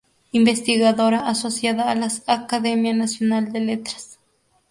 Investigadora Asociada a la Academia Nacional de Letras.